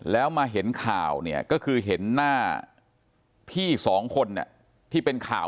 แล้วมาเห็นข่าวเนี่ยก็คือเห็นหน้าพี่สองคนที่เป็นข่าว